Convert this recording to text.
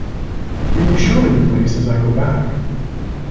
Can you show me the place as I go back?